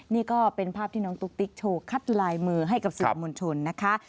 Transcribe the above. นี่ก็เป็นภาพที่น้องตุ๊กติ๊กโชว์คัดลายมือให้กับสื่อมวลชนนะคะ